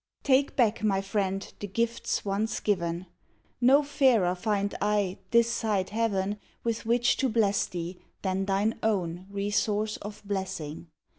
Take back, my friend, the gifts once given. No fairer find I this side Heaven With which to bless thee, than thine own Resource of blessing.